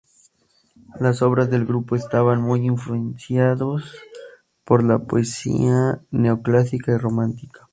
Las obras del grupo estaban muy influenciados por la poesía neo-clásica y romántica.